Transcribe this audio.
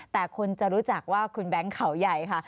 แต่คนจะรู้จักว่าคุณแบงค์เขาใหญ่ค่ะ